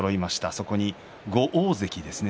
そこに５大関ですね